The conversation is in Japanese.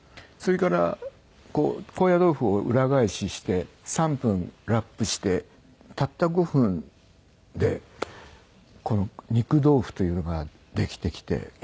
それから高野豆腐を裏返しにして３分ラップしてたった５分でこの肉豆腐というのができてきて。